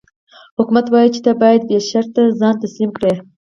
حکومت وايي چې ته باید بې شرطه ځان تسلیم کړې.